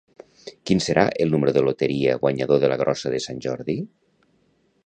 Quin serà el número de loteria guanyador de la Grossa de Sant Jordi?